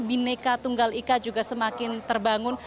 bineka tunggal ika juga semakin terbangun